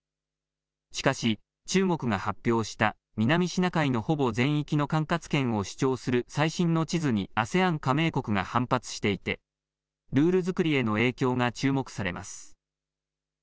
しかし中国が発表した南シナ海のほぼ全域の管轄権を主張する最新の地図にＡＳＥＡＮ加盟国が反発していてルール作りへの影響が注目されます。